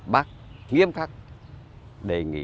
bác nghiêm khắc đề nghị